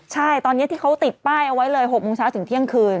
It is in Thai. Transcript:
ใช่ตอนนี้ที่เขาติดป้ายเอาไว้เลย๖โมงเช้าถึงเที่ยงคืน